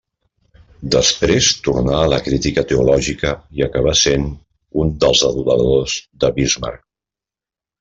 Després tornà a la crítica teològica i acabà sent un dels aduladors de Bismarck.